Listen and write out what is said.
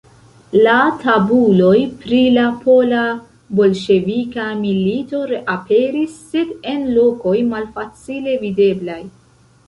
La tabuloj pri la pola-bolŝevika milito reaperis, sed en lokoj malfacile videblaj.